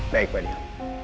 baik pak dion